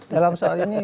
dalam soal ini